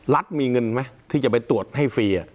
มีเงินไหมที่จะไปตรวจให้ฟรี